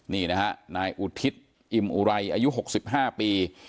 นี่นะฮะนายอุทิศอิ่มอุไรอายุ๖๕ปี